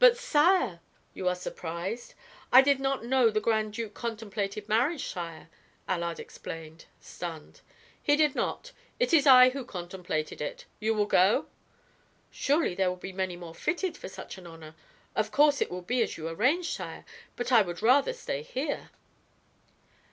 "But, sire " "You are surprised?" "I did not know the Grand Duke contemplated marriage, sire," Allard explained, stunned. "He did not; it is I who contemplated it. You will go?" "Surely there will be many more fitted for such an honor. Of course it will be as you arrange, sire; but I would rather stay here."